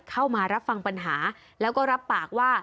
เข้ามารับฟังปัญหาแล้วก็รับปากว่า